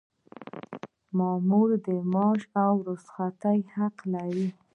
مامور د معاش او رخصتۍ حق لري.